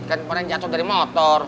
kan kemarin jatuh dari motor